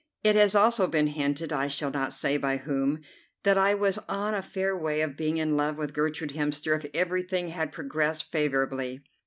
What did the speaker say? It has also been hinted, I shall not say by whom, that I was on a fair way of being in love with Gertrude Hemster if everything had progressed favourably.